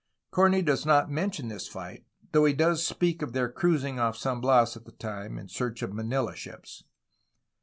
Corney does not mention this fight, though he does speak of their cruising off San Bias at that time, in search of Manila ships.